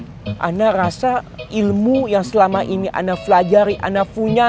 saya rasa ilmu yang selama ini saya pelajari saya punya